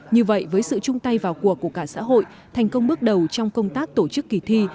như vậy với sự chung tay vào cuộc của cả xã hội thành công bước đầu trong công tác tổ chức kỳ thi